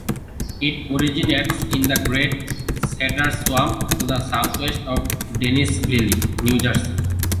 It originates in the Great Cedar Swamp to the southeast of Dennisville, New Jersey.